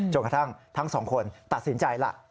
กระทั่งทั้งสองคนตัดสินใจล่ะ